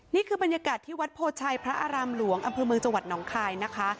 นี่คือบรรยากาศที่วัดโพชัยพระอารามหลวงอำเภอเมืองจังหวัดหนองคายนะคะ